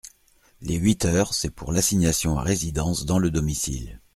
Les huit heures, c’est pour l’assignation à résidence dans le domicile.